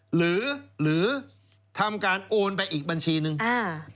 หรือทำการโอนไปอีกบัญชีนี้